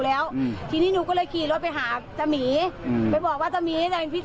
และทีนี้หนูก็เลยขี่มาวีดคมตามหมีเราก็เลยขี่ตามมาด้วย